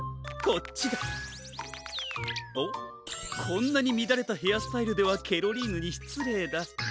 こんなにみだれたヘアスタイルではケロリーヌにしつれいだ。